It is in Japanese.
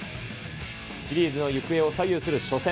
シリーズの行方を左右する初戦。